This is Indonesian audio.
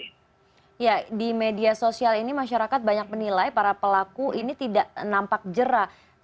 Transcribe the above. ya di media sosial ini masyarakat banyak menilai para pelaku ini tidak nampak jerah